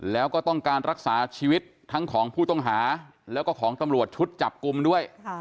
แล้วก็ต้องการรักษาชีวิตทั้งของผู้ต้องหาแล้วก็ของตำรวจชุดจับกลุ่มด้วย